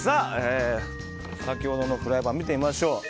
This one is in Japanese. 先ほどのフライパン見てみましょう。